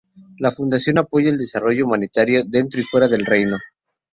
La Fundación apoya el desarrollo humanitario dentro y fuera del Reino.